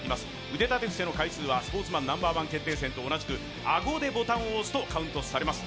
腕立て伏せの回数は「スポーツマンＮｏ．１決定戦」と同じくあごでボタンを押すとカウントされます。